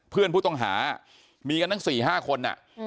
เพื่อนผู้ต้องหามีกันทั้ง๔๕คน